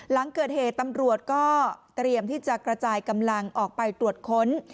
หลังเกิดเหตุตำรวจก็เตรียมที่จะกระจายกำลังออกไปตรวจค้น